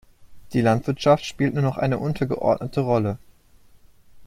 Die Landwirtschaft spielt nur noch eine untergeordnete Rolle.